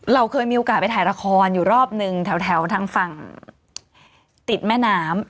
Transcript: เราเคยมีโอกาสไปถ่ายละครอยู่รอบนึงแถวทางฝั่งติดแม่น้ำ